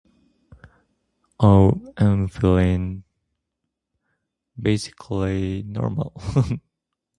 I'm feeling basically normal.